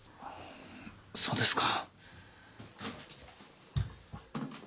そうですか。